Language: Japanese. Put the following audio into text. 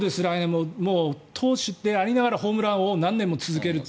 もう投手でありながらホームラン王を何年も続けると。